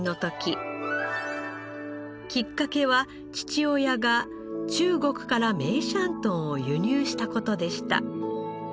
きっかけは父親が中国から梅山豚を輸入した事でした。